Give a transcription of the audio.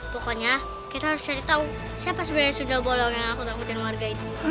pokoknya kita harus cari tahu siapa sebenarnya sunda bolong yang aku rangkuti warga itu